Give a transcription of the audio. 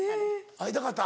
会いたかった？